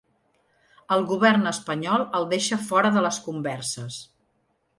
El govern espanyol el deixa fora de les converses.